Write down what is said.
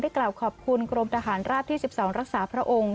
กล่าวขอบคุณกรมทหารราบที่๑๒รักษาพระองค์